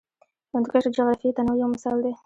هندوکش د جغرافیوي تنوع یو مثال دی.